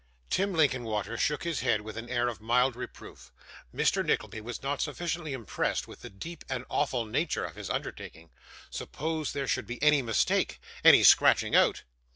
Tim Linkinwater shook his head with an air of mild reproof. Mr. Nickleby was not sufficiently impressed with the deep and awful nature of his undertaking. Suppose there should be any mistake any scratching out!